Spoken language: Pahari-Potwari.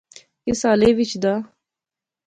کس حالے وچ دا